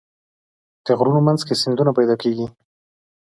د غرونو منځ کې سیندونه پیدا کېږي.